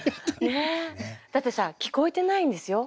だってさ聞こえてないんですよ？